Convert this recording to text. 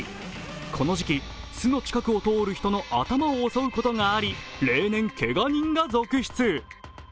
この時期、巣の近くを通る人の頭を襲うことがあり例年、けが人が続出。